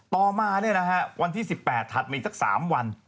ต่อมาวันที่๑๘ถัดมาอีกสัก๓วัน